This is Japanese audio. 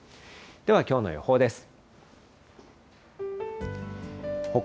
ではきょうの予報です。